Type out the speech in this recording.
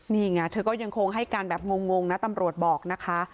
นี่ไงเธอก็ยังคงให้การแบบงงนะตำรวจบอกนะคะ